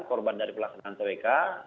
korban dari pelaksanaan twk